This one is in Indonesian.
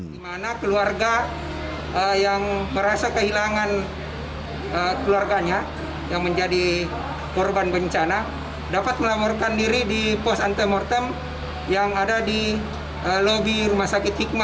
di mana keluarga yang merasa kehilangan keluarganya yang menjadi korban bencana dapat melaporkan diri di pos antemortem yang ada di lobi rumah sakit hikmah